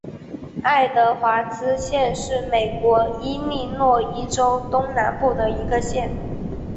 爱德华兹县是美国伊利诺伊州东南部的一个县。